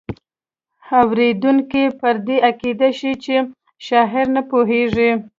اوریدونکی پر دې عقیده شي چې شاعر نه پوهیږي.